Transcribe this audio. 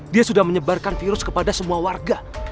dia sudah menyebarkan virus kepada semua warga